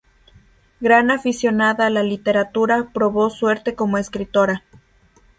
Gran aficionada a la literatura, probó suerte como escritora.